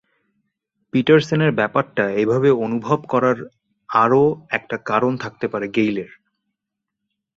পিটারসেনের ব্যাপারটা এভাবে অনুভব করার আরও একটা কারণ থাকতে পারে গেইলের।